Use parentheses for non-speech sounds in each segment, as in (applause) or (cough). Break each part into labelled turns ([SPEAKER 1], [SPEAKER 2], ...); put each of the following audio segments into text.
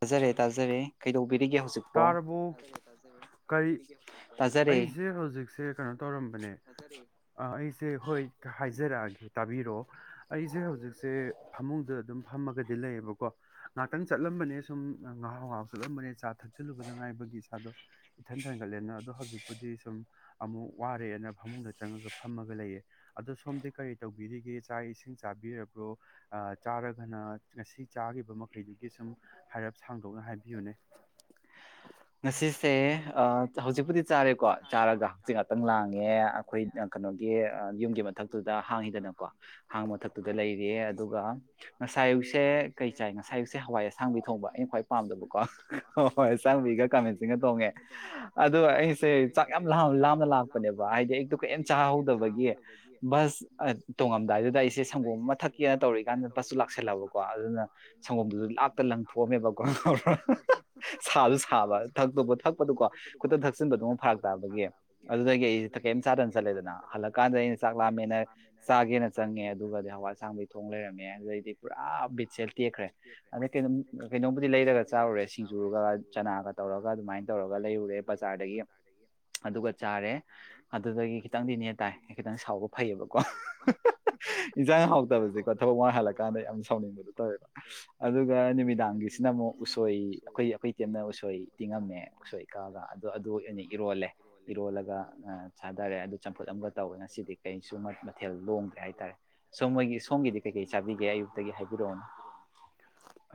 [SPEAKER 1] ꯇꯥꯖꯔꯦ ꯇꯥꯖꯔꯦ ꯀꯩꯗꯧꯕ
[SPEAKER 2] ꯇꯥꯔꯕꫭ ꯀꯔꯤ ꯑꯩꯁꯦ ꯍꯧꯖꯤꯛꯁꯦ ꯀꯩꯅꯣ ꯇꯧꯔꯝꯕꯅꯦ ꯑ ꯑꯩꯁꯦ ꯍꯣꯏ ꯍꯥꯏꯖꯔꯛꯑꯒꯦ ꯇꯥꯕꯤꯔꯛꯑꯣ ꯑꯩꯁꯦ ꯍꯧꯖꯤꯛꯁꯦ ꯐꯃꯨꯡꯗ ꯑꯗꯨꯝ ꯐꯝꯃꯒꯗꯤ ꯂꯩꯌꯦꯕꯀꯣ ꯉꯍꯥꯛꯇꯪ ꯆꯠꯂꯝꯕꯅꯦ ꯁꯨꯝ ꯉꯍꯥꯎ ꯉꯍꯥꯎ ꯆꯠꯂꯝꯕꯅꯦ ꯆꯥ ꯊꯛ ꯆꯠꯂꯨꯕꯗ ꯉꯥꯏꯕꯒꯤ ꯏꯁꯥꯗꯣ ꯏꯊꯟ ꯊꯟꯒꯠꯂꯦꯅ ꯑꯗꯣ ꯍꯧꯖꯤꯛꯄꯨꯗꯤ ꯁꯨꯝ ꯑꯃꯨꯛ ꯋꯥꯔꯦꯅ ꯐꯃꯨꯡꯗ ꯆꯪꯉꯒ ꯐꯝꯃꯒ ꯂꯩꯌꯦ ꯑꯗꯣ ꯁꯣꯝꯗꯤ ꯀꯔꯤ ꯇꯧꯕꯤꯔꯤꯒꯦ ꯆꯥꯛ ꯏꯁꯤꯡ ꯆꯥꯕꯤꯔꯕ꯭ꯔꯣ ꯑꯥ ꯆꯥꯔꯒꯅ ꯉꯁꯤ ꯆꯥꯈꯤꯕ ꯃꯈꯩꯗꯨꯒꯤ ꯁꯨꯝ ꯍꯥꯏꯔꯞ ꯁꯥꯡꯗꯣꯛꯅ ꯍꯥꯏꯕꯤꯌꯨꯅꯦ
[SPEAKER 1] ꯉꯁꯤꯁꯦ ꯍꯧꯖꯤꯛꯄꯨꯗꯤ ꯆꯥꯔꯦꯀꯣ ꯆꯥꯔꯒ ꯍꯧꯛꯆꯛ ꯉꯥꯛꯇꯪ ꯂꯥꯡꯉꯦ ꯑꯩꯈꯣꯏ ꯀꯩꯅꯣꯒꯤ ꯌꯨꯝꯒꯤ ꯃꯊꯛꯇꯨꯗ ꯍꯥꯡꯉꯤꯗꯅꯀꯣ ꯍꯥꯡꯕ ꯃꯊꯛꯇꯨꯗ ꯂꯩꯔꯤ ꯑꯗꯨꯒ ꯉꯁꯥꯏ ꯑꯌꯨꯛꯁꯦ ꯀꯩ ꯆꯥꯏ ꯉꯁꯥꯏ ꯑꯌꯨꯛꯁꯦ ꯍꯋꯥꯏ ꯑꯁꯥꯡꯕꯤ ꯊꯣꯡꯕ ꯑꯩꯅ ꯈ꯭ꯋꯥꯏ ꯄꯥꯝꯗꯕꯀꯣ ꯍꯣꯏ ꯆꯥꯡ ꯀꯃꯦꯟꯁꯤꯒ ꯇꯣꯡꯉꯦ ꯑꯗꯣ ꯑꯩꯁꯦ ꯆꯥꯛ ꯌꯥꯝ ꯂꯥꯝꯅ ꯂꯥꯛꯄꯅꯦꯕ ꯍꯥꯏꯗꯤ ꯑꯩꯛꯇꯣ ꯀꯩꯝ ꯆꯥꯍꯧꯗꯕꯒꯤ ꯕꯁ ꯇꯣꯡꯉꯝꯗꯥꯏꯗꯨꯗ ꯑꯩꯁꯦ ꯁꯪꯒꯣꯝ ꯑꯃ ꯊꯛꯀꯦꯅ ꯇꯧꯔꯤꯛꯏꯀꯥꯟꯗ ꯕꯁꯁꯨ ꯂꯥꯛꯁꯜꯂꯕꯀꯣ ꯑꯗꯨꯅ ꯁꯪꯒꯣꯝꯗꯨꯗ ꯂꯥꯛꯇ ꯂꯪꯊꯣꯛꯑꯝꯃꯦꯕꯀꯣ ꯁꯖꯨ ꯁꯕ ꯊꯛꯇꯨꯕꯨ ꯊꯛꯄꯗꯨꯀꯣ ꯈꯨꯇꯛ ꯊꯛꯆꯤꯟꯕꯗꯨ ꯑꯃꯨꯛ ꯐꯔꯛ ꯇꯥꯕꯒꯤ ꯑꯗꯨꯗꯒꯤ ꯑꯩꯁꯦ ꯊꯛ ꯀꯩꯝ ꯆꯥꯗꯅ ꯆꯠꯂꯦꯗꯅ ꯍꯜꯂꯛꯀꯥꯟꯗ ꯑꯩꯅ ꯆꯥꯛ ꯂꯥꯝꯃꯦꯅ ꯆꯥꯒꯦꯅ ꯆꯪꯉꯦ ꯑꯗꯨꯒꯗꯤ ꯍꯋꯥꯏ ꯑꯆꯥꯡꯕꯤ ꯊꯣꯡ ꯂꯩꯔꯝꯃꯦ ꯑꯗꯨꯗꯩꯗꯤ ꯄꯨꯔꯥ ꯕꯤꯠꯁꯦ ꯇꯦꯛꯈ꯭ꯔꯦ ꯑꯗꯩꯩꯅ ꯀꯩꯅꯣꯝꯕꯨꯗꯤ ꯂꯩꯔꯒ ꯆꯥꯔꯨꯔꯦ ꯁꯤ ꯁꯤꯡꯖꯨꯒ ꯆꯅꯥꯅꯒ ꯇꯧꯔꯒ ꯑꯗꯨꯃꯥꯏꯅ ꯇꯧꯔꯒ ꯂꯩꯔꯨꯔꯦ ꯕꯖꯥꯔꯗꯒꯤ ꯑꯗꯨꯒ ꯆꯥꯔꯦ ꯑꯗꯨꯗꯒꯤ ꯈꯤꯇꯪꯗꯤꯅꯦ ꯇꯥꯏ ꯈꯤꯇꯪ ꯁꯥꯎꯕ ꯐꯩꯌꯦꯕꯀꯣ ꯏꯟꯁꯥꯡ ꯍꯥꯎꯇꯕꯁꯦꯀꯣ ꯊꯕꯛ ꯋꯥꯡꯍꯜꯂꯀꯥꯟꯗ ꯌꯥꯝ ꯁꯥꯎꯅꯤꯡꯕꯗꯣ ꯇꯧꯋꯦꯕ ꯑꯗꯨꯒ ꯅꯨꯃꯤꯗꯥꯡꯒꯤꯁꯤꯅ ꯑꯃꯨꯛ ꯎꯁꯣꯏ ꯑꯩꯈꯣꯏ ꯑꯩꯈꯣꯏ ꯇꯤꯝꯅ (unintelligible) ꯎꯁꯣꯏ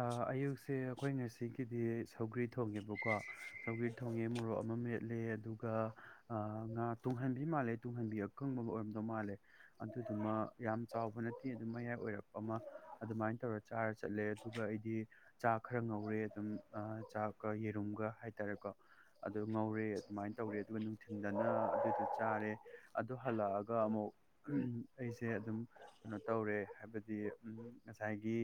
[SPEAKER 2] ꯑꯌꯨꯛꯁꯦ ꯑꯩꯈꯣꯏ ꯉꯁꯤ ꯉꯁꯤꯗꯤ ꯁꯧꯒ꯭ꯔꯤ ꯊꯣꯡꯉꯦꯕꯀꯣ ꯁꯧꯒ꯭ꯔꯤ ꯊꯣꯡꯉꯦ ꯃꯣꯔꯣꯛ ꯑꯃ ꯃꯦꯠꯂꯦ ꯑꯗꯨꯒ ꯉꯥ ꯇꯨꯡꯍꯟꯕꯤ ꯃꯥꯜꯂꯦ ꯇꯨꯡꯍꯟꯕꯤ ꯑꯀꯪꯕꯕꯒ ꯑꯣꯏꯔꯝꯗꯧ ꯃꯥꯜꯂꯦ ꯑꯗꯨꯗꯨꯃ ꯌꯥꯝ ꯆꯥꯎꯕ ꯅꯠꯇꯦ ꯑꯗꯨꯝ ꯃꯌꯥꯏ ꯑꯣꯏꯔꯛꯄ ꯑꯃ ꯑꯗꯨꯃꯥꯏꯅ ꯇꯧꯔ ꯆꯥꯔ ꯆꯠꯂꯦ ꯑꯗꯨꯒ ꯑꯩꯗꯤ ꯆꯥꯛ ꯈꯔ ꯉꯧꯔꯦ ꯑꯗꯨꯝ ꯆꯥꯛꯀ ꯌꯦꯔꯨꯝꯒ ꯍꯥꯏꯇꯥꯔꯦꯀꯣ ꯑꯗꯨ ꯉꯧꯔꯦ ꯑꯗꯨꯃꯥꯏꯅ ꯇꯧꯔꯦ ꯑꯗꯨꯒ ꯅꯨꯡꯊꯤꯟꯗꯅ ꯑꯗꯨꯗꯣ ꯆꯥꯔꯦ ꯑꯗꯨ ꯍꯜꯂꯛꯑꯒ ꯑꯃꯨꯛ ꯑꯩꯁꯦ ꯑꯗꯨꯝ ꯀꯩꯅꯣ ꯇꯧꯔꯦ ꯍꯥꯏꯕꯗꯤ ꯉꯁꯥꯏꯒꯤ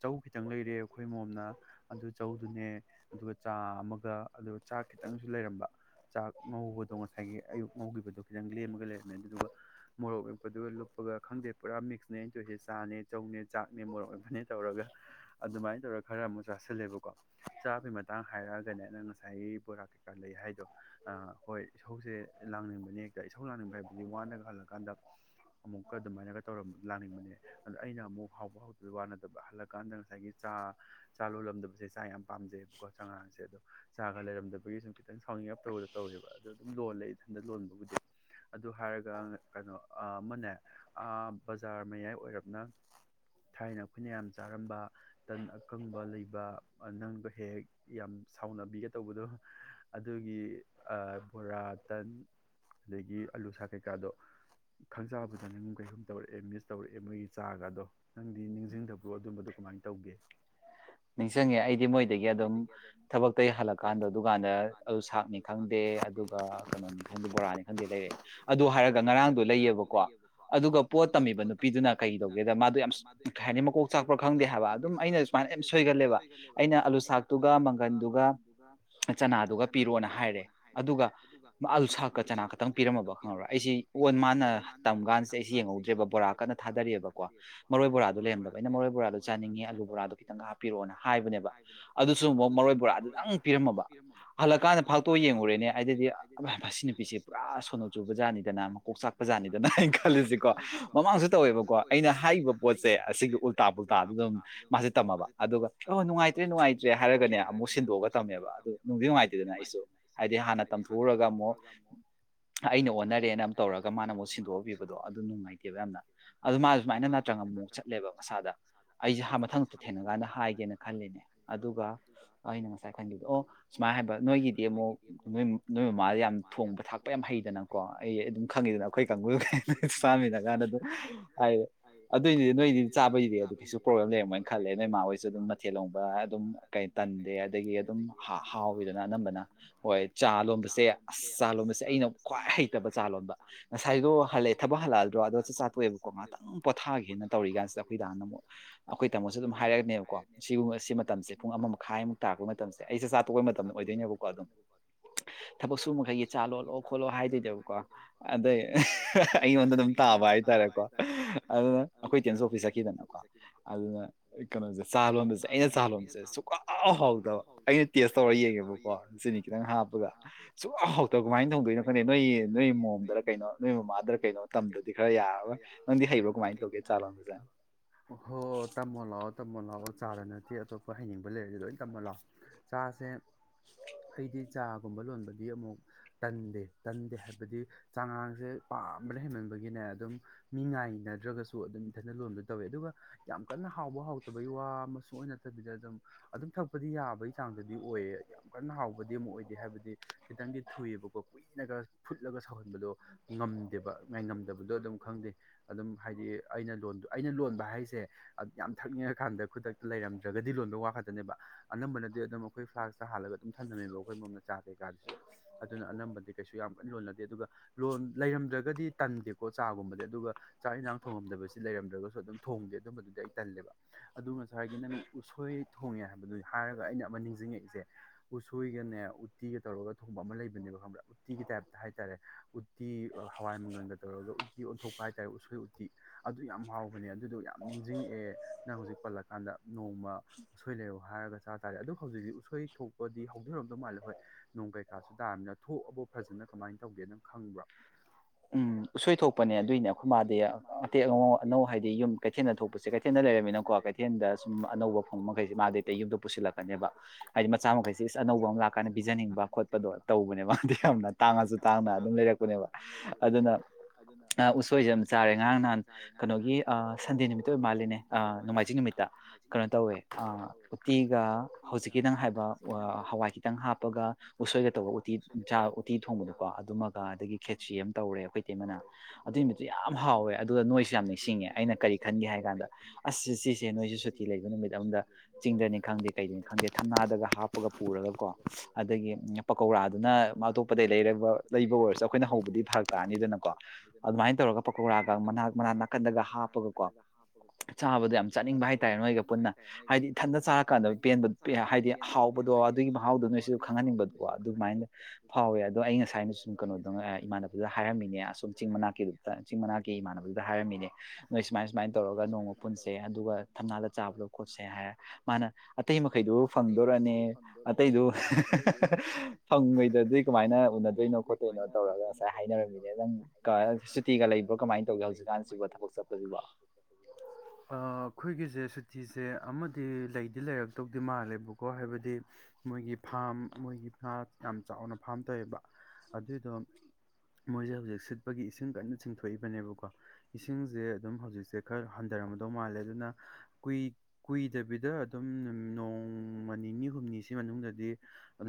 [SPEAKER 2] ꯆꯧ ꯈꯤꯇꯪ ꯂꯩꯔꯦ ꯑꯩꯈꯣꯏ ꯃꯣꯝꯅ ꯑꯗꯨ ꯆꯧꯗꯨꯅꯦ ꯑꯗꯨꯒ ꯆꯥ ꯑꯃꯒ ꯑꯗꯨꯒ ꯆꯥꯛ ꯈꯤꯇꯪꯁꯨ ꯂꯩꯔꯝꯕ ꯆꯥꯛ ꯉꯧꯕꯗꯣ ꯉꯁꯥꯏꯒꯤ ꯑꯌꯨꯛ ꯉꯧꯈꯤꯕꯗꯣ ꯈꯤꯇꯪ ꯂꯦꯝꯃꯒ ꯂꯩꯔꯝꯃꯦ ꯑꯗꯨꯗꯨꯒ ꯃꯣꯔꯣꯛ ꯃꯦꯠꯄꯗꯨꯒ ꯂꯨꯞꯄꯒ ꯈꯪꯗꯦ ꯄꯨꯔꯥ ꯃꯤꯛꯁꯅꯦ ꯑꯩꯅ ꯇꯧꯏꯁꯦ ꯆꯥꯅꯦ ꯆꯧꯅꯦ ꯆꯥꯛꯅꯦ ꯃꯣꯔꯣꯛ ꯃꯦꯠꯄꯅꯦ ꯇꯧꯔꯒ ꯑꯗꯨꯃꯥꯏꯅ ꯇꯧꯔꯒ ꯈꯔ ꯑꯃ ꯆꯥꯁꯤꯜꯂꯦꯕꯀꯣ ꯆꯥꯕꯒꯤ ꯃꯇꯥꯡ ꯍꯥꯏꯔꯛꯑꯒꯅꯦ ꯅꯪꯅ ꯉꯁꯥꯏꯒꯤ ꯕꯣꯔꯥ ꯀꯩꯀꯥ ꯂꯩ ꯍꯥꯏꯗꯣ ꯍꯣꯏ ꯏꯁꯧꯁꯦ ꯂꯥꯡꯅꯤꯡꯕꯅꯦ ꯍꯦꯛꯇ ꯏꯁꯧ ꯂꯥꯡꯅꯤꯡꯕ ꯍꯥꯏꯕꯗꯤ ꯋꯥꯅꯒ ꯍꯜꯂꯛꯑꯀꯥꯟꯗ ꯑꯃꯨꯛꯀ ꯑꯗꯨꯃꯥꯏꯅꯒ ꯇꯧꯔꯝꯕꯗꯣ ꯂꯥꯡꯅꯤꯡꯕꯅꯦ ꯑꯗ ꯑꯩꯅ ꯑꯃꯨꯛ ꯍꯥꯎꯕ ꯍꯥꯎꯇꯕꯩ ꯋꯥ ꯅꯠꯇꯕ ꯍꯜꯂꯛꯑꯀꯥꯟꯗ ꯉꯁꯥꯏꯒꯤ ꯆꯥ ꯆꯥ ꯂꯣꯜꯂꯝꯗꯕꯁꯦ ꯆꯥ ꯌꯥꯝ ꯄꯥꯝꯖꯩꯑꯕꯀꯣ ꯆꯥꯉꯥꯡꯁꯦ ꯑꯗꯣ ꯆꯥꯒ ꯂꯩꯔꯝꯗꯕꯒꯤ ꯁꯨꯝ ꯈꯤꯇꯪ ꯁꯥꯎꯅꯤꯡꯉꯞ ꯇꯧꯕꯗꯣ ꯇꯧꯋꯦꯕ ꯑꯗꯨꯝ ꯂꯣꯜꯂꯦ ꯏꯊꯟꯗ ꯂꯣꯟꯕꯕꯨꯗꯤ ꯑꯗꯨ ꯍꯥꯏꯔꯒ ꯀꯩꯅꯣ ꯑꯃꯅꯦ ꯕꯖꯥꯔ ꯃꯌꯥꯏ ꯑꯣꯏꯔꯞꯅ ꯊꯥꯏꯅ ꯑꯩꯈꯣꯏꯅ ꯌꯥꯝ ꯆꯥꯔꯝꯕ ꯇꯟ ꯑꯀꯪꯕ ꯂꯩꯕ ꯅꯪꯅꯒ ꯍꯦꯛ ꯍꯦꯛ ꯌꯥꯝ ꯁꯥꯎꯅꯕꯤꯒ ꯇꯧꯕꯗꯣ ꯑꯗꯨꯒꯤ ꯕꯣꯔꯥ ꯇꯟ ꯑꯗꯒꯤ ꯑꯥꯂꯨ ꯁꯥꯛ ꯀꯩꯀꯥꯗꯣ ꯈꯪ ꯆꯥꯕꯨ ꯆꯥꯅꯤꯡꯒꯨꯝ ꯀꯩꯒꯨꯝ ꯇꯧꯔꯛꯑꯦ ꯃꯤꯁ ꯇꯧꯔꯛꯑꯦ ꯃꯣꯏꯒꯤ ꯆꯥꯒꯗꯣ ꯅꯪꯗꯤ ꯅꯤꯡꯁꯤꯡꯗꯕ꯭ꯔꯣ ꯑꯗꯨꯝꯕꯗꯨꯣ ꯀꯃꯥꯏꯅ ꯇꯧꯒꯦ
[SPEAKER 1] ꯅꯤꯡꯁꯤꯡꯉꯦ ꯑꯩꯗꯤ ꯃꯣꯏꯗꯒꯤ ꯑꯗꯨꯝ ꯊꯕꯛꯇꯒꯤ ꯍꯜꯂꯛꯀꯥꯟꯗ ꯗꯨꯀꯥꯟꯗ ꯑꯥꯂꯨ ꯁꯥꯛꯅꯤ ꯈꯪꯗꯦ ꯑꯗꯨꯒ ꯀꯩꯅꯣꯅꯦ ꯈꯪꯗꯦ ꯕꯣꯔꯥꯅꯤ ꯈꯪꯗꯦ ꯂꯩꯔꯛꯑꯦ ꯑꯗꯨ ꯍꯥꯏꯔꯒ ꯉꯔꯥꯡꯗꯣ ꯂꯩꯌꯦꯕꯀꯣ ꯑꯗꯨꯒ ꯄꯣꯠ ꯇꯝꯃꯤꯕ ꯅꯨꯄꯤꯗꯨꯅ ꯀꯩꯗꯧꯒꯦꯗ ꯃꯥꯗꯣ ꯌꯥꯝ ꯀꯩ ꯍꯥꯏꯅꯤ ꯃꯀꯣꯛ ꯆꯥꯛꯄ꯭ꯔꯥ ꯈꯪꯗꯦ ꯍꯥꯏꯕ ꯑꯗꯨꯝ ꯑꯩꯅ ꯁꯨꯃꯥꯏꯅ ꯑꯩ ꯌꯥꯝ ꯁꯣꯏꯒꯜꯂꯦꯕ ꯑꯩꯅ ꯑꯥꯂꯨꯁꯥꯛꯇꯨꯒ ꯃꯪꯒꯟꯗꯨꯒ ꯆꯅꯥꯗꯨꯒ ꯄꯤꯔꯣꯅ ꯍꯥꯏꯔꯦ ꯑꯗꯨꯒ ꯑꯥꯂꯨꯁꯥꯛꯀ ꯆꯅꯥ ꯈꯛꯇꯪ ꯄꯤꯔꯝꯃꯕ ꯈꯪꯉꯥꯕꯔ ꯑꯩꯁꯦ ꯑꯣꯟ ꯃꯥꯥꯅ ꯇꯝ ꯀꯥꯟꯁꯦ ꯑꯩꯁꯦ ꯌꯦꯡꯍꯧꯗ꯭ꯔꯦꯕ ꯕꯣꯔꯥ ꯀꯟꯅ ꯊꯥꯗꯔꯤꯌꯦꯕꯥꯀꯣ ꯃꯔꯣꯏ ꯕꯣꯔꯥꯗꯣ ꯂꯩꯔꯝꯗꯕ ꯑꯩꯅ ꯃꯔꯣꯏ ꯕꯣꯔꯥꯗꯣ ꯆꯥꯅꯤꯡꯉꯦ ꯑꯥꯂꯨꯕꯣꯔꯥꯗꯣ ꯍꯥꯏꯕꯅꯦꯕ ꯑꯗꯨꯁꯨꯨꯃꯨꯛ ꯃꯔꯣꯏ ꯕꯣꯔꯥꯗꯨꯗꯪ ꯄꯤꯔꯝꯃꯕ ꯍꯜꯂꯛꯑꯥꯀꯥꯟꯗ ꯐꯥꯛꯇꯣꯛ ꯌꯦꯡꯉꯨꯔꯦꯅꯦ ꯑꯩꯗꯗꯤ ꯃꯥꯁꯤ ꯅꯨꯄꯤꯁꯦ ꯄꯨꯔꯥ ꯁꯣꯅꯣ ꯆꯨꯕꯖꯥꯠꯅꯤꯗꯅ ꯃꯥꯀꯣꯛ ꯆꯥꯛꯄ ꯖꯥꯠꯅꯤꯗꯅ ꯑꯩꯅ ꯈꯜꯂꯦꯗꯤꯀꯣ ꯃꯃꯥꯡꯗꯁꯨ ꯇꯧꯋꯦꯕꯀꯣ ꯑꯩꯅ ꯍꯥꯏꯔꯤꯕ ꯄꯣꯠꯁꯦ ꯑꯁꯤꯒꯤ ꯎꯜꯇꯥ ꯄꯨꯜꯇꯥꯗꯨ ꯑꯗꯨꯝ ꯇꯝꯃꯕ ꯑꯗꯨꯒ ꯑꯣ ꯅꯨꯡꯉꯥꯏꯇ꯭ꯔꯦ ꯅꯨꯡꯉꯥꯏꯇ꯭ꯔꯦ ꯍꯥꯏꯔꯒꯅꯦ ꯑꯃꯨꯛ ꯁꯤꯟꯗꯣꯛꯑꯒ ꯇꯝꯃꯦꯕ ꯑꯗꯨ ꯅꯨꯡꯗꯤ ꯅꯨꯡꯉꯥꯏꯇꯦꯗꯅ ꯑꯩꯁꯨ ꯍꯥꯏꯗꯤ ꯍꯥꯟꯅ ꯇꯝꯊꯣꯛꯎꯔꯒ ꯑꯃꯨꯛ ꯑꯩꯅ ꯑꯣꯟꯅꯔꯦꯅ ꯑꯃꯨꯛ ꯇꯧꯔꯒ ꯃꯥꯅ ꯑꯃꯨꯛ ꯁꯤꯟꯗꯣꯛꯑꯄꯤꯕꯗꯣ ꯑꯗꯨ ꯅꯨꯡꯉꯥꯏꯇꯦꯕ ꯌꯥꯝꯅ ꯑꯗꯣ ꯃꯥ ꯁꯨꯃꯥꯏꯅ ꯅꯠꯇ꯭ꯔꯪ ꯑꯃꯨꯛ ꯃꯨꯛ ꯆꯠꯂꯦꯕ ꯃꯁꯥꯗ ꯑꯩꯁꯦ ꯃꯊꯪ (unintelligible) ꯊꯦꯡꯅ ꯀꯥꯟꯗ ꯍꯥꯏꯒꯦꯅ ꯈꯜꯂꯤꯅꯦ ꯑꯗꯨꯒ ꯑꯩꯅ ꯉꯁꯥꯏ ꯈꯟꯈꯤꯕꯗꯣ ꯑꯣ ꯁꯨꯃꯥꯏꯅ ꯍꯥꯏꯕ ꯅꯣꯏꯒꯤꯗꯤ ꯑꯃꯨꯛ ꯅꯣꯏ ꯅꯣꯏ ꯃꯃꯥꯗ ꯌꯥꯝ ꯊꯣꯡꯕ ꯊꯥꯛꯄ ꯌꯥꯝ ꯍꯩꯗꯅꯀꯣ ꯑꯩ ꯑꯗꯨꯝ ꯈꯪꯉꯤꯗꯅ ꯑꯩꯈꯣꯏ ꯀꯥꯡꯕꯨ ꯆꯥꯃꯤꯟꯅ ꯀꯥꯟꯗ ꯑꯗꯨꯝ ꯍꯥꯏ ꯑꯗꯨꯏꯅꯤꯗꯤ ꯅꯣꯏꯗꯤ ꯆꯥꯕꯩꯗꯤ ꯑꯗꯨ ꯀꯩꯁꯨ ꯄ꯭ꯔꯣꯕꯂꯦꯝ ꯂꯩꯔꯝ ꯃꯣꯏ ꯈꯜꯂꯦ ꯅꯣꯏ ꯃꯥ ꯍꯣꯏꯁꯨ ꯑꯗꯨꯝ ꯃꯊꯦꯜ ꯂꯣꯡꯕ ꯑꯗꯨꯝ ꯀꯩ ꯇꯟꯗꯦ ꯑꯗꯒꯤ ꯑꯗꯨꯝ ꯍꯥꯎꯋꯤꯗꯅ ꯑꯅꯝꯕꯅ ꯍꯣꯏ ꯆꯥ ꯂꯣꯟꯕꯁꯦ ꯑꯁ ꯆꯥ ꯂꯣꯟꯕꯁꯦ ꯑꯩꯅ ꯈ꯭ꯋꯥꯏ ꯍꯩꯇꯕ ꯆꯥ ꯂꯣꯟꯕ ꯉꯁꯥꯏꯗꯣ ꯍꯜꯂꯦ ꯊꯕꯛ ꯍꯜꯂꯛꯑꯗ꯭ꯔꯣ ꯑꯗꯣꯒ ꯆꯥꯛ ꯆꯥ ꯇꯣꯛꯑꯦꯕꯥꯀꯣ ꯉꯥꯛꯇꯪ ꯄꯣꯊꯥꯒꯦꯅ ꯇꯧꯔꯤ ꯀꯥꯟꯁꯤꯗ ꯑꯩꯈꯣꯏ ꯗꯥꯅ ꯑꯃꯨꯛ ꯑꯩꯈꯣꯏ ꯑꯩꯈꯣꯏ ꯇꯥꯃꯣꯁꯨ ꯑꯗꯨꯝ ꯍꯥꯏꯔꯛꯑꯅꯤꯕꯀꯣ ꯁꯤꯒꯨꯝꯕ ꯁꯤ ꯃꯇꯝꯁꯦ ꯄꯨꯡ ꯑꯃꯥ ꯃꯈꯥꯢ ꯃꯨꯛ ꯇꯥꯔꯛꯄ ꯃꯇꯝꯁꯦ ꯑꯩ ꯆꯥꯛ ꯇꯣꯛꯄ ꯃꯇꯝ ꯑꯣꯏꯗꯣꯏꯅꯦꯕꯀꯣ ꯑꯗꯨꯝ ꯊꯕꯛ ꯁꯨꯕꯥ ꯃꯈꯩꯒꯤ ꯆꯥ ꯂꯣꯜꯂꯛꯑꯣ ꯈꯣꯠꯂꯣ ꯍꯥꯏꯗꯣꯏꯅꯦꯕꯥꯀꯣ ꯑꯗꯩ ꯑꯩꯉꯣꯟꯗ ꯑꯗꯨꯝ ꯇꯥꯕ ꯍꯥꯏꯇꯥꯔꯦꯀꯣ ꯑꯗꯨ ꯑꯩꯈꯣꯏ ꯏꯇꯩꯃꯥꯁꯨ ꯑꯣꯐꯤꯁ ꯆꯠꯈꯤꯗꯥꯅ ꯀꯣ ꯑꯜ (inaudible) ꯀꯩꯅꯣꯁꯦ ꯆꯥ ꯂꯣꯟꯕꯁꯦ ꯑꯩꯅ ꯆꯥ ꯂꯣꯟꯕꯁꯦ ꯁꯨꯛꯍꯥꯎ ꯍꯥꯎꯇꯕ ꯑꯩꯅ ꯇꯦꯁ ꯇꯧꯔ ꯌꯦꯡꯉꯦꯕꯀꯣ ꯆꯤꯅꯤ ꯈꯤꯇꯪ ꯍꯥꯞꯄꯒ ꯁꯨꯛꯍꯥꯎ ꯍꯥꯎꯇꯕ ꯀꯃꯥꯏꯅ ꯇꯧ꯫ꯊꯣꯡꯗꯣꯏꯅꯣ ꯈꯪꯗꯦ ꯅꯣꯏ ꯅꯣꯏ ꯃꯣꯝꯗꯔ ꯀꯩꯅꯣ ꯅꯣꯏ ꯃꯃꯥꯗꯔ ꯀꯩꯅꯣ ꯇꯝꯗ꯭ꯔꯗꯤ ꯈꯔ ꯌꯥꯔꯔꯣꯏ ꯅꯪꯗꯤ ꯍꯩꯕ꯭ꯔꯣ ꯀꯃꯥꯏꯅ ꯇꯧꯒꯦ ꯆꯥ ꯂꯣꯟꯕꯁꯦ
[SPEAKER 2] ꯍꯣꯏ ꯍꯣꯏ ꯇꯝꯃꯣ ꯂꯥꯛꯑꯣ ꯇꯝꯃꯣ ꯂꯥꯛꯑꯣ ꯆꯥꯗ ꯅꯠꯇꯦ ꯑꯇꯣꯞꯄ ꯍꯩꯅꯤꯡꯕ ꯂꯩꯔꯗꯤ ꯂꯣꯏ ꯇꯝꯃꯣ ꯂꯥꯛꯑꯣ ꯆꯥꯁꯦ ꯑꯩꯗꯤ ꯆꯥ ꯂꯣꯟꯕꯗꯤ ꯑꯃꯨꯛ ꯇꯟꯗꯦ ꯇꯟꯗꯦ ꯍꯥꯏꯕꯗꯤ ꯆꯉꯥꯡꯁꯦ ꯄꯥꯝꯕꯅ ꯍꯦꯟꯃꯟꯕꯒꯤꯅꯦ ꯑꯗꯨꯝ ꯃꯤ ꯉꯥꯏꯅꯗ꯭ꯔꯒꯁꯨ ꯑꯗꯨꯝ ꯏꯊꯟ ꯂꯣꯟꯕ ꯇꯧꯋꯦ ꯑꯗꯨꯒ ꯌꯥꯝ ꯀꯟꯅ ꯍꯥꯎꯕ ꯍꯥꯎꯇꯕꯩ ꯋꯥ ꯃꯛꯁꯨ ꯅꯠꯇꯕꯤꯗ ꯑꯗꯨꯝ ꯑꯗꯨꯝ ꯊꯛꯄꯗꯤ ꯌꯥꯕꯒꯤ ꯆꯥꯡꯗꯨ ꯗꯤ ꯑꯣꯏꯌꯦ ꯌꯥꯝ ꯀꯟꯅ ꯍꯥꯎꯕꯗꯤ ꯑꯃ ꯑꯣꯏꯗꯦ ꯍꯥꯏꯕꯗꯤ ꯈꯤꯇꯪꯗꯤ ꯊꯨꯏꯑꯕꯀꯣ ꯀꯨꯏꯅꯒ ꯐꯨꯠꯂꯒ ꯁꯧꯍꯟꯕꯗꯣ ꯉꯝꯗꯦꯕ ꯉꯥꯏ ꯉꯝꯗꯕꯗꯣ ꯑꯗꯨꯝ ꯈꯪꯗꯦ ꯑꯗꯨꯝ ꯍꯥꯏꯗꯤ ꯑꯩꯅ ꯂꯣꯟ ꯑꯩꯅ ꯂꯣꯟꯕ ꯍꯥꯏ ꯁꯦ ꯌꯥꯝ ꯊꯛꯅꯤꯡꯉꯀꯥꯟꯗ ꯈꯨꯗꯛꯇ ꯂꯩꯔꯝꯗ꯭ꯔꯒꯗꯤ ꯂꯣꯟꯕ ꯋꯥꯈꯠꯇꯅꯦꯕ ꯑꯅꯝꯕꯅꯗꯤ ꯑꯗꯨꯝ ꯑꯩꯈꯣꯏ ꯐ꯭ꯂꯥꯛꯁꯇ ꯍꯥꯜꯂꯒ ꯑꯗꯨꯝ ꯊꯝꯂꯝꯝꯃꯦꯕ ꯑꯩꯈꯣꯏ ꯃꯣꯝꯅ ꯆꯥ ꯀꯩꯀꯥꯗꯨꯁꯨ ꯑꯗꯨꯅ ꯑꯅꯝꯕꯗꯤ ꯀꯩꯁꯨ ꯌꯥꯝ ꯀꯟꯅ ꯂꯣꯟꯅꯗꯦ ꯑꯗꯨꯒꯣꯟ ꯂꯩꯔꯝꯗ꯭ꯔꯒꯗꯤ ꯇꯟꯗꯦꯀꯣ ꯆꯥꯒꯨꯝꯕꯗꯤ ꯑꯗꯨꯒ ꯆꯥꯛ ꯏꯟꯁꯥꯡ ꯊꯣꯡꯉꯝꯗꯕꯁꯤ ꯂꯩꯔꯝꯗ꯭ꯔꯒꯁꯨ ꯑꯗꯨꯝ ꯊꯣꯡꯗꯦ ꯑꯗꯨꯝꯕꯗꯨꯗꯤ ꯑꯩ ꯇꯜꯂꯦꯕ ꯑꯗꯨ ꯉꯁꯥꯏꯒꯤ ꯅꯪ ꯎꯁꯣꯏ ꯊꯣꯡꯉꯦ ꯍꯥꯏꯕꯗꯨ ꯍꯥꯏꯔꯒ ꯑꯩꯅ ꯑꯃ ꯅꯤꯡꯁꯤꯡꯉꯛꯏꯁꯦ ꯎꯁꯣꯏꯒꯅꯦ ꯎꯇꯤꯒ ꯇꯧꯔꯒ ꯊꯣꯡꯕ ꯑꯃ ꯂꯩꯕꯅꯦꯕ ꯈꯪꯕ꯭ꯔꯥ ꯎꯇꯤꯒꯤ ꯇꯥꯏꯞꯇ ꯍꯥꯏꯇꯥꯔꯦ ꯎꯇꯤ ꯍꯋꯥꯏ ꯃꯪꯒꯜꯒ ꯇꯧꯔꯒ ꯎꯇꯤ ꯑꯣꯟꯊꯣꯛꯄ ꯍꯥꯏꯇꯥꯔꯦ ꯎꯁꯣꯏ ꯎꯤ ꯑꯗꯨ ꯌꯥꯝ ꯍꯥꯎꯕꯅꯦ ꯑꯗꯨꯗꯣ ꯌꯥꯝ ꯅꯤꯡꯁꯤꯡꯉꯛꯑꯦ ꯅꯪ ꯍꯧꯖꯤꯛ ꯄꯜꯂꯀꯥꯟꯗ ꯅꯣꯡꯃ ꯎꯁꯣꯏ ꯂꯩꯔꯣ ꯍꯥꯏꯔꯒ ꯆꯥ ꯇꯥꯔꯦ ꯑꯗꯣ ꯍꯧꯖꯤꯛ ꯎꯁꯣꯏ ꯊꯣꯛꯄꯗꯤ ꯍꯧꯗꯣꯔꯝꯗꯧ ꯃꯥꯜꯂꯦ ꯍꯣꯏ ꯅꯣꯡ ꯀꯩꯀꯥꯁꯨ ꯇꯥꯔꯕꯅꯤꯅ ꯊꯣꯛꯑꯕꯣ ꯐꯖꯅ ꯀꯃꯥꯏꯅ ꯇꯧꯒꯦ ꯅꯪ ꯈꯪꯕ꯭ꯔꯥ
[SPEAKER 1] ꯎꯝ ꯎꯁꯣꯏ ꯊꯣꯛꯄꯅꯦ ꯑꯗꯨꯏꯅꯦ ꯑꯩꯈꯣꯏ ꯃꯥꯗꯤ ꯑꯇꯦꯛ ꯑꯉꯧ ꯑꯅꯧ ꯍꯥꯏꯗꯤ ꯌꯨꯝ ꯀꯩꯊꯦꯜꯗ ꯊꯣꯛꯄꯁꯦ ꯀꯩꯊꯦꯜꯗ ꯂꯩꯔꯝꯃꯤꯅꯀꯣ ꯀꯩꯊꯦꯜꯗ ꯁꯨꯝ ꯑꯅꯧꯕ ꯐꯪꯕ ꯃꯈꯩꯁꯦ ꯃꯥꯗꯤ ꯑꯇꯩ ꯌꯨꯝꯗ ꯄꯨꯁꯤꯜꯂꯛꯀꯅꯦꯕ ꯍꯥꯏꯗꯤ ꯃꯆꯥ ꯃꯈꯩꯁꯤ ꯏꯁ ꯑꯅꯧꯕ ꯑꯃ ꯂꯥꯛꯀꯥꯟꯗ ꯄꯤꯖꯅꯤꯡꯕ ꯈꯣꯠꯄꯗꯣ ꯇꯧꯕꯅꯦꯕ ꯃꯥꯗꯤ ꯌꯥꯝꯅ ꯇꯥꯡꯉꯁꯨ ꯇꯥꯡꯅ ꯑꯗꯨꯝ ꯂꯩꯔꯛꯄꯅꯦꯕ ꯑꯗꯨꯅ ꯎꯁꯣꯏꯁꯦ ꯌꯥꯝ ꯆꯥꯔꯦ ꯉꯔꯥꯡ ꯅꯍꯥꯟ ꯀꯩꯅꯣꯒꯤ ꯁꯟꯗꯦ ꯅꯨꯃꯤꯠꯇ ꯑꯣꯏ ꯃꯥꯜꯂꯤꯅꯦ ꯅꯣꯡꯃꯥꯏꯖꯤꯡ ꯅꯨꯃꯤꯠꯇ ꯀꯩꯅꯣ ꯇꯧꯋꯦ ꯎꯇꯤꯒ ꯍꯧꯖꯤꯛꯀꯤ ꯅꯪ ꯍꯥꯏꯕ ꯍꯋꯥꯏ ꯈꯤꯇꯪ ꯍꯥꯞꯄꯒ ꯎꯁꯣꯏꯒ ꯇꯧꯕ ꯎꯇꯤ ꯆꯥ ꯎꯇꯤ ꯊꯣꯡꯕꯗꯣꯀꯣ ꯑꯗꯨꯃꯒ ꯑꯗꯒꯤ ꯈꯦꯆ꯭ꯔꯤ ꯑꯃ ꯇꯧꯔꯦ ꯑꯩꯈꯣꯏ ꯇꯩꯃꯅ ꯑꯗꯨ ꯅꯨꯃꯤꯠꯇꯨ ꯌꯥꯝ ꯍꯥꯎꯋꯦ ꯑꯗꯨꯒ ꯅꯣꯏꯁꯨ ꯌꯥꯝ ꯅꯤꯡꯁꯤꯡꯉꯦ ꯑꯩꯅ ꯀꯔꯤ ꯈꯟꯒꯦ ꯍꯥꯏ ꯀꯥꯟꯗ ꯑꯁ ꯁꯤꯁꯦ ꯅꯣꯏꯁꯨ ꯁꯨꯇꯤ ꯂꯩꯕ ꯅꯨꯃꯤꯠ ꯑꯝꯗ ꯆꯤꯡꯗꯅꯤ ꯈꯪꯗꯦ ꯀꯩꯗꯅꯤ ꯈꯪꯗꯦ ꯊꯝꯅꯥꯗꯒ ꯍꯥꯞꯄꯒ ꯄꯨꯔꯒ ꯀꯣ ꯑꯗꯒꯤ ꯄꯀꯧꯔꯥꯗꯨꯅ ꯑꯇꯣꯞꯄꯗ ꯂꯩ ꯂꯩꯕ ꯑꯣꯏꯔꯁꯨ ꯑꯩꯈꯣꯏꯅ ꯍꯧꯕꯗꯤ ꯐꯔ ꯇꯔꯅꯤꯗꯅꯀꯣ ꯑꯗꯨꯃꯥꯏꯅ ꯇꯧꯔꯒ ꯄꯀꯧꯔꯥꯒ ꯃ ꯃꯅꯥꯛ ꯅꯥꯀꯟꯗꯒ ꯍꯥꯞ ꯄꯒꯀꯣ ꯆꯥꯕꯗꯣ ꯌꯥꯝ ꯆꯥꯅꯤꯡꯕ ꯍꯥꯏꯇꯥꯔꯦ ꯅꯣꯏꯒ ꯄꯨꯟꯅ ꯍꯥꯏꯗꯤ ꯏꯊꯟꯗ ꯆꯥꯔ ꯀꯥꯟꯗ ꯄꯦꯟꯕ ꯍꯥꯏꯗꯤ ꯍꯥꯎꯕꯗꯣ ꯑꯗꯨꯒꯤ ꯃꯍꯥꯎꯗꯣ ꯅꯣꯏꯁꯤꯁꯨ ꯈꯪꯍꯟꯅꯤꯡꯕꯗꯣ ꯑꯗꯨꯃꯥꯏꯅ ꯐꯥꯎꯋꯦ ꯑꯗꯣ ꯑꯩ ꯉꯁꯥꯏꯅ ꯁꯨꯝ ꯀꯩꯅꯣꯗꯧ ꯏꯃꯥꯟꯅ ꯑꯗꯨꯗ ꯍꯥꯏꯔꯝꯃꯤꯅꯦ ꯑꯁꯨꯝ ꯆꯤꯡ ꯃꯅꯥꯛꯀꯤꯗꯨ ꯆꯤꯡ ꯃꯅꯥꯛꯀꯤ ꯏꯃꯥꯟꯅꯕꯗꯨꯗ ꯍꯥꯏꯔꯝꯃꯤꯅꯦ ꯅꯣꯏ ꯁꯨꯃꯥꯏ ꯁꯨꯃꯥꯏꯅ ꯇꯧꯔꯒ ꯅꯣꯡꯃ ꯄꯨꯟꯁꯦ ꯑꯗꯨꯒ ꯊꯝꯅꯥꯜꯂ ꯆꯥꯕꯗꯣ ꯈꯣꯠꯁꯦ ꯍꯥꯏꯔ ꯃꯥꯅ ꯑꯇꯩ ꯃꯈꯩꯗꯨ ꯐꯪꯗꯣꯔꯅꯤ ꯑꯇꯩꯗꯨ ꯐꯪꯉꯣꯏꯗꯗꯤ ꯀꯃꯥꯏꯅ ꯎꯅꯗꯣꯏꯅꯣ ꯈꯣꯠꯇꯣꯏꯅꯣ ꯇꯧꯔꯒ ꯍꯥꯏꯅꯔꯝꯃꯤꯅꯦ ꯁꯨꯇꯤꯒ ꯂꯩꯕ꯭ꯔꯣ ꯀꯃꯥꯏꯅ ꯇꯧꯒꯦ ꯍꯧꯖꯤꯛꯀꯥꯟꯁꯤꯕꯨ ꯊꯕꯛ ꯆꯠꯄ
[SPEAKER 2] ꯑ ꯑꯩꯈꯣꯏꯒꯤꯁꯦ ꯊꯤꯁꯦ ꯑꯃꯗꯤ ꯂꯩꯗꯤ ꯂꯩꯔꯛꯇꯧꯗꯤ ꯃꯥꯜꯂꯦꯕꯀꯣ ꯍꯥꯏꯕꯗꯤ ꯃꯣꯏꯒꯤ ꯐꯥꯝ ꯃꯣꯏꯒꯤ ꯉ ꯌꯥꯝ ꯆꯥꯎꯅ ꯐꯥꯝ ꯇꯧꯋꯦꯕ ꯑꯗꯨꯏꯗꯣ ꯃꯣꯏꯁꯦ ꯍꯧꯖꯤꯛ ꯁꯤꯠꯄꯒꯤ ꯏꯁꯤꯡ ꯀꯟꯅ ꯆꯤꯡꯊꯣꯛꯏꯕꯅꯦꯕꯀꯣ ꯏꯁꯤꯡꯁꯦ ꯑꯗꯨꯝ ꯍꯧꯖꯤꯛꯁꯦ ꯈꯔ ꯍꯟꯊꯔꯝꯃꯗꯧ ꯃꯥꯜꯂꯦ ꯑꯗꯨꯅ ꯀꯨꯏꯗꯕꯤꯗ ꯑꯗꯨꯝ ꯅꯣꯡꯃ ꯅꯤꯅꯤ ꯍꯨꯝꯅꯤꯁꯤ ꯃꯅꯨꯡꯗꯗꯤ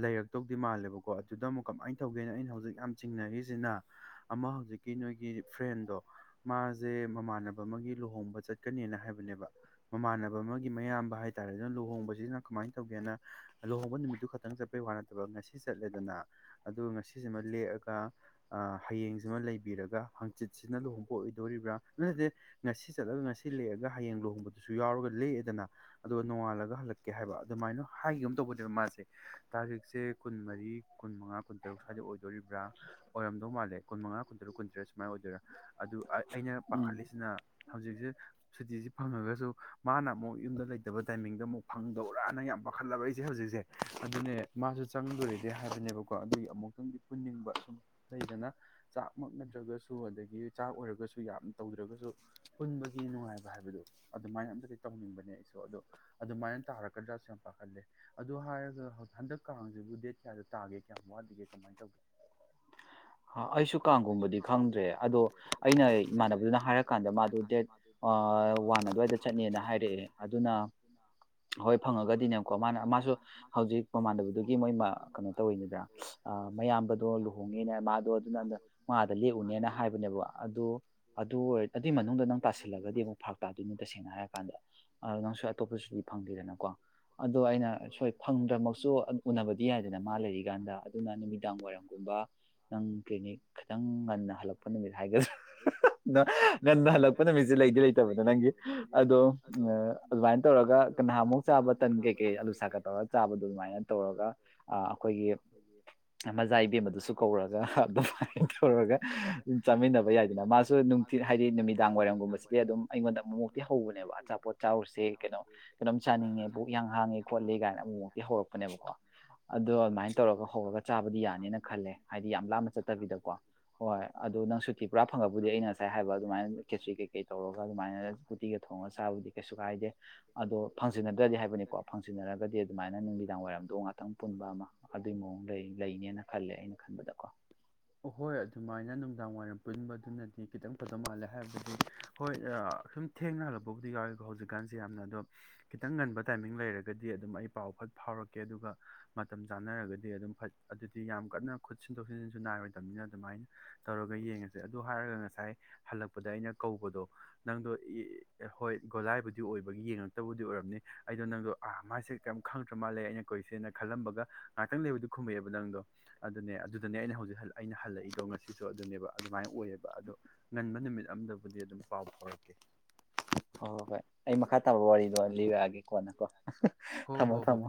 [SPEAKER 2] ꯂꯩꯔꯛꯇꯧꯗꯤ ꯃꯥꯜꯂꯦꯕꯀꯣ ꯑꯗꯨꯗ ꯑꯃꯨꯛ ꯀꯃꯥꯏꯅ ꯇꯧꯒꯦꯅ ꯑꯩꯅ ꯍꯧꯖꯤꯛ ꯌꯥꯝ ꯆꯤꯡꯅꯔꯤꯁꯤꯅ ꯑꯃ ꯍꯧꯖꯤꯛꯀꯤ ꯅꯣꯏꯒꯤ ꯐ꯭ꯔꯦꯟꯗꯣ ꯃꯥꯁꯦ ꯃꯃꯥꯟ ꯑꯃꯒꯤ ꯂꯨꯍꯣꯡꯕ ꯆꯠ ꯆꯠꯀꯅꯦꯅ ꯍꯥꯏꯕꯅꯦꯕ ꯃꯃꯥꯟꯅꯕ ꯑꯃꯒꯤ ꯃꯌꯥꯝꯕ ꯍꯥꯏꯇꯥꯔꯦ ꯑꯗꯨꯅ ꯂꯨꯍꯣꯡꯕꯁꯤꯅ ꯀꯃꯥꯏꯅ ꯇꯧꯒꯦꯅ ꯂꯨꯍꯣꯡꯕ ꯅꯨꯃꯤꯠꯇꯨ ꯈꯛꯇꯪ ꯆꯠꯄꯩ ꯋꯥ ꯅꯠꯇꯕ ꯉꯁꯤ ꯆꯠꯂꯦꯗꯅ ꯑꯗꯨꯒ ꯉꯁꯤꯁꯤꯃ ꯂꯦꯛꯑꯒ ꯍꯌꯦꯡꯁꯤꯃ ꯂꯩꯕꯤꯔꯒ ꯍꯪꯆꯤꯠꯁꯤꯅ ꯂꯨꯍꯣꯡꯕ ꯑꯣꯏꯗꯣꯔꯤꯕ꯭ꯔꯥ ꯁꯤ ꯆꯠꯂꯒ ꯉꯁꯤ ꯂꯦꯛꯑꯒ ꯍꯌꯦꯡ ꯂꯨꯍꯣꯡꯕꯗꯨꯁꯨ ꯁꯨ ꯌꯥꯎꯔꯒ ꯂꯦꯛꯑꯦꯗꯅ ꯑꯗꯨꯒ ꯅꯣꯡꯉꯥꯜꯂꯒ ꯍꯜꯂꯛꯀꯦ ꯍꯥꯏꯕ ꯑꯗꯨꯃꯥꯏꯅ ꯍꯥꯏꯒꯤꯒꯨꯝ ꯇꯧꯕꯅꯦꯕ ꯃꯥꯁꯦ ꯇꯥꯔꯒꯤꯛꯁꯦ ꯀꯨꯟꯃꯔꯤ ꯀꯨꯟꯃꯉꯥ ꯀꯨꯟꯇꯔꯨꯛ ꯁ꯭ꯋꯥꯏꯗ ꯑꯣꯏꯗꯣꯔꯤꯕ꯭ꯔꯥ ꯑꯣꯏꯔꯝꯗꯧ ꯃꯥꯜꯂꯦ ꯀꯨꯟꯃꯉꯥ ꯀꯨꯟꯇꯔꯨꯛ ꯀꯨꯟꯇꯔꯦꯠ ꯁꯨꯃꯥꯏꯅ ꯑꯣꯏꯗꯣꯏꯔꯥ ꯑꯗꯨ ꯑꯩꯅ ꯄꯥꯈꯠꯂꯤꯁ ꯍꯧꯖꯤꯛꯁꯦ ꯁꯨꯇꯤꯤꯁꯦ ꯐꯪꯉꯒꯁꯨ ꯃꯥꯅ ꯑꯃꯨꯛ ꯌꯨꯝꯗ ꯂꯩꯇꯕ ꯇꯥꯏꯃꯤꯡꯗ ꯑꯃꯨꯛ ꯐꯪꯗꯧꯔꯥꯅ ꯌꯥꯝ ꯄꯥꯈꯠꯂꯕ ꯑꯩꯁꯦ ꯍꯧꯖꯤꯛꯁꯦ ꯑꯗꯨꯅꯦ ꯃꯥꯁꯨ ꯆꯪꯗꯣꯔꯤꯗꯤꯦ ꯍꯥꯏꯕꯅꯦꯕꯀꯣ ꯑꯗꯨꯒꯤ ꯑꯃꯨꯛꯇꯪꯗꯤ ꯄꯨꯟꯅꯤꯡꯕ ꯁꯨꯝ ꯂꯩꯗꯅ ꯆꯥꯛꯃꯛ ꯅꯗ꯭ꯔꯒꯁꯨ ꯑꯗꯒꯤ ꯆꯥꯛ ꯑꯣꯏꯔꯒꯁꯨ ꯌꯥꯝ ꯇꯧꯗ꯭ꯔꯒꯁꯨ ꯁꯨ ꯄꯨꯟꯕꯒꯤ ꯅꯨꯡꯉꯥꯏꯕ ꯍꯥꯏꯕꯗꯣ ꯑꯗꯨꯃꯥꯏꯅ ꯑꯝꯇꯗꯤ ꯇꯧꯅꯤꯡꯕꯅꯦ ꯑꯩꯁꯨ ꯑꯗꯣ ꯑꯗꯨꯃꯥꯏꯅ ꯇꯥꯔꯛꯀꯗ꯭ꯔꯥꯁꯨ ꯌꯥꯝ ꯄꯥꯈꯠꯂꯦ ꯑꯗꯨꯗꯣ ꯍꯥꯏꯔꯒ ꯍꯟꯗꯛꯀꯁꯤꯕꯨ ꯗꯦꯠ ꯀꯌꯥꯗ ꯇꯥꯒꯦ ꯀꯌꯥ ꯋꯥꯂꯤꯒꯦ ꯀꯃꯥꯏ ꯇꯧꯒꯦ
[SPEAKER 1] ꯑꯩꯁꯨ ꯀꯥꯡꯒꯨꯝꯕꯗꯤ ꯈꯪꯗ꯭ꯔꯦ ꯑꯗꯣ ꯑꯩꯅ ꯏꯃꯥꯟꯅꯕꯗꯨꯅ ꯍꯥꯏꯔꯛ ꯀꯥꯟꯗ ꯃꯥ ꯗꯦꯠ ꯋꯥꯟ ꯑꯗꯨꯋꯥꯏꯗ ꯆꯠꯅꯦꯅ ꯍꯥꯏꯔꯛꯑꯦ ꯑꯗꯨꯅ ꯍꯣꯏ ꯐꯪꯉꯒꯗꯤꯅꯦꯀꯣ ꯃꯥꯅ ꯃꯥꯁꯨ ꯍꯧꯖꯤꯛ ꯃꯃꯥꯟꯅꯕꯗꯨꯒꯤ ꯃꯣꯏ ꯀꯩꯅꯣ ꯇꯧꯋꯤꯅꯤꯗꯅ ꯃꯌꯥꯝꯕꯗꯣ ꯂꯨꯍꯣꯡꯉꯦ ꯑꯗꯣ ꯑꯗꯨꯅ ꯃꯥꯗ ꯂꯦꯛꯎꯅꯦꯅ ꯍꯥꯏꯕꯅꯦꯕ ꯑꯗꯣ ꯑꯗꯨ ꯑꯣꯏꯔ ꯑꯗꯨꯏ ꯃꯅꯨꯡꯗ ꯅꯪ ꯇꯥꯁꯤꯜꯂꯒꯗꯤ ꯑꯃꯨꯛ ꯐꯔꯥꯛ ꯇꯥꯗꯣꯏꯅꯦ ꯇꯁꯦꯡꯅ ꯍꯥꯏꯔꯀꯥꯟꯗꯗ ꯅꯪꯁꯨ ꯑꯇꯣꯞꯄꯁꯨꯗꯤ ꯐꯪꯗꯦꯗꯅꯀꯣ ꯑꯗꯣ ꯑꯩꯅ ꯁꯣꯏ ꯐꯪꯗ꯭ꯔꯃꯛꯁꯨ ꯎꯅꯕꯗꯤ ꯌꯥꯏꯗꯅ ꯃꯥ ꯂꯩꯔꯤꯀꯥꯟꯗ ꯑꯗꯨꯅ ꯅꯨꯃꯤꯗꯥꯡ ꯋꯥꯏꯔꯝꯒꯨꯝꯕ ꯅꯪ ꯀ꯭ꯂꯤꯅꯤꯛ ꯈꯤꯇꯪ ꯉꯟꯅ ꯍꯜꯂꯛꯄ ꯅꯨꯃꯤꯠ ꯍꯥꯏꯒꯗ꯭ꯔꯥ ꯉꯟꯟꯅ ꯍꯜꯂꯛꯄ ꯅꯨꯃꯤꯠꯁꯦ ꯂꯩꯗꯤ ꯂꯩꯇꯕꯅꯤ ꯅꯪꯒꯤ ꯑꯗꯣ ꯑꯗꯨꯃꯥꯏꯅ ꯇꯧꯔꯒ ꯀꯟꯍꯃꯨꯛ ꯆꯥꯕ ꯇꯟ ꯀꯩꯀꯩ ꯑꯂꯨ ꯁꯥꯀꯠ ꯇꯧꯔꯒ ꯆꯥꯕꯗꯣ ꯑꯗꯨꯃꯥꯏꯅ ꯇꯧꯔꯒ ꯑꯩꯈꯣꯏꯒꯤ ꯃꯆꯥ ꯏꯕꯦꯝꯗꯨꯁꯨ ꯀꯧꯔꯒ ꯑꯗꯨꯃꯥꯏꯅ ꯇꯧꯔꯒ ꯆꯥꯃꯤꯟꯅꯕ ꯌꯥꯏꯗꯅ ꯃꯥꯁꯨ ꯅꯨꯡꯇꯤ ꯍꯥꯏꯗꯤ ꯅꯨꯃꯤꯗꯥꯡ ꯋꯥꯏꯔꯝꯒꯨꯝꯕꯁꯤꯗꯤ ꯑꯗꯨꯝ ꯑꯩꯉꯣꯟꯗ ꯑꯃꯨꯛꯃꯣꯛꯛꯇꯤ ꯍꯧꯕꯅꯦꯕ ꯑꯆꯥꯄꯣꯠ ꯆꯥꯔꯁꯦ ꯀꯩꯅꯣ ꯀꯩꯅꯣꯝ ꯆꯥꯅꯤꯡꯉꯦ ꯄꯨꯕꯨꯛ ꯍꯌꯥꯡ ꯍꯥꯡꯉꯦ ꯈꯣꯠꯂꯤꯦ ꯀꯥꯏꯅ ꯑꯃꯨꯛꯃꯣꯛꯛꯇꯤ ꯍꯧꯔꯛꯄꯅꯦꯕꯀꯣ ꯑꯗꯣ ꯑꯗꯨꯃꯥꯏꯅ ꯇꯧꯔꯒ ꯍꯧꯔꯒ ꯆꯥꯕꯗꯤ ꯌꯥꯅꯤꯅ ꯈꯜꯂꯦ ꯍꯥꯏꯗꯤ ꯌꯥꯝ ꯂꯥꯞꯅ ꯆꯠꯇꯕꯤꯗꯀꯣ ꯍꯣꯏ ꯑꯗꯨꯗꯣ ꯅꯪ ꯁꯨꯇꯤ ꯄꯨꯔꯥ ꯐꯪꯉꯕꯨꯗꯤ ꯑꯩꯅ ꯉꯁꯥꯏ ꯍꯥꯏꯕ ꯑꯗꯨꯃꯥꯏꯅ ꯈꯦꯆ꯭ꯔꯤ ꯀꯩꯀꯩ ꯇꯧꯔꯒ ꯑꯗꯨꯃꯥꯏꯅ ꯎꯨꯇꯤꯒ ꯊꯣꯡꯉꯒ ꯆꯥꯕꯗꯤ ꯀꯩꯁꯨ ꯀꯥꯏꯗꯦ ꯑꯗꯣ ꯐꯪꯁꯤꯟꯅꯗ꯭ꯔꯗꯤ ꯍꯥꯏꯕꯅꯤꯀꯣ ꯐꯪꯁꯤꯟꯅꯔꯒꯗꯤ ꯑꯗꯨꯃꯥꯏꯅ ꯅꯨꯃꯤꯗꯥꯡ ꯋꯥꯏꯔꯝꯗꯧ ꯉꯥꯛꯇꯪ ꯄꯨꯟꯕ ꯑꯃ ꯑꯗꯨꯒꯤ ꯃꯑꯣꯡ ꯂꯩꯅꯤ ꯅ ꯈꯜꯂꯦ ꯑꯩꯅ ꯈꯟꯕꯗꯀꯣ
[SPEAKER 2] ꯍꯣꯏ ꯑꯗꯨꯃꯥꯏꯅ ꯅꯨꯡꯗꯥꯡ ꯋꯥꯏꯔꯝ ꯄꯨꯟꯕꯗꯨꯅꯗꯤ ꯈꯤꯇꯪ ꯐꯗꯧ ꯃꯥꯜꯂꯦ ꯍꯥꯏꯕꯗꯨꯗꯤ ꯍꯣꯏ ꯁꯨꯝ ꯊꯦꯡꯅꯍꯜꯂꯕꯕꯨꯗꯤ ꯌꯥꯎꯋꯦꯀꯣ ꯍꯧꯖꯤꯛꯀꯥꯟꯁꯦ ꯌꯥꯝꯅ ꯑꯗꯣ ꯈꯤꯇꯪ ꯉꯟꯕ ꯇꯥꯏꯃꯤꯡ ꯂꯩꯔꯒꯗꯤ ꯑꯗꯨꯝ ꯑꯩ ꯄꯥꯎ ꯐꯠ ꯐꯥꯎꯔꯛꯀꯦ ꯑꯗꯨꯒ ꯃꯇꯝ ꯆꯥꯅꯔꯒꯗꯤ ꯑꯗꯨꯝ ꯐꯠ ꯑꯗꯨꯗꯤ ꯌꯥꯝ ꯀꯟꯅ ꯈꯨꯠ ꯁꯤꯟꯗꯣꯛ ꯁꯤꯟꯖꯤꯟꯁꯨ ꯅꯥꯔꯣꯏ ꯅꯤꯅ ꯑꯗꯨꯃꯥꯏꯅ ꯇꯧꯔꯒ ꯌꯦꯡꯉꯁꯦ ꯑꯗꯨ ꯍꯥꯏꯔꯒ ꯉꯁꯥꯏ ꯍꯜꯂꯛꯄꯗ ꯑꯩꯅ ꯀꯧꯕꯗꯣ ꯅꯪꯗꯣ ꯍꯣꯏ ꯒꯣꯂꯥꯏꯕꯨꯗꯤ ꯑꯣꯏꯕꯒꯤ ꯌꯦꯡꯉꯛꯇꯕꯨꯗꯤ ꯑꯣꯏꯔꯕꯅꯤ ꯑꯩꯗꯣ ꯅꯪꯗꯣ ꯑꯥ ꯃꯁꯦ ꯀꯔꯤꯝ ꯈꯪꯗ꯭ꯔ ꯃꯥꯜꯂꯦ ꯑꯩꯅ ꯀꯧꯁꯦꯅ ꯈꯜꯂꯝꯕꯒ ꯉꯥꯏꯍꯥꯛꯇꯪ ꯂꯩꯕꯗꯤ ꯈꯨꯝꯃꯛꯑꯦꯕ ꯅꯪꯗꯣ ꯑꯗꯨꯅꯦ ꯑꯗꯨꯗꯅꯦ ꯑꯩꯅ ꯍꯧꯖꯤꯛꯂꯛ ꯑꯩꯅ ꯍꯜꯂꯛꯏꯗꯣ ꯉꯁꯤꯁꯨ ꯑꯗꯨꯅꯦꯕ ꯑꯗꯨꯃꯥꯏꯅ ꯑꯣꯏꯌꯦꯕ ꯑꯗꯣ ꯉꯟꯕ ꯅꯨꯃꯤꯠ ꯑꯃꯝꯗꯕꯨꯗꯤ ꯑꯗꯨꯝ ꯄꯥꯎ ꯐꯥꯎꯔꯛꯀꯦ
[SPEAKER 1] ꯍꯣꯏ ꯍꯣꯏ ꯍꯣꯏ ꯑꯩ ꯃꯈꯥ ꯇꯥꯕꯛꯕ ꯋꯥꯔꯤꯗꯣ ꯂꯤꯔꯛꯑꯒꯦ ꯀꯣꯟꯅꯀꯣ ꯊꯝꯃꯣ ꯊꯝꯃꯣ